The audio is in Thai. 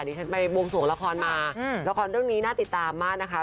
ที่ฉันไปบวงสวงละครมาละครเรื่องนี้น่าติดตามมากนะคะ